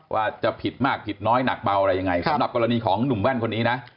ว่าจะผิดมากผิดน้อยหนักเบาอะไรยังไงสำหรับกรณีของหนุ่มแว่นคนนี้นะ